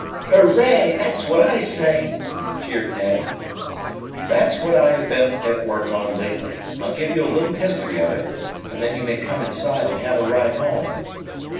"Hurray! That's what I say!" cheered Ned. "That's what I have been at work on lately. I'll give you a little history of it, and then you may come inside and have a ride home."